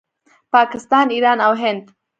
پاکستان، ایران او هند